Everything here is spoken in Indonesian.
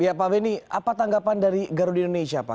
ya pak beni apa tanggapan dari garuda indonesia pak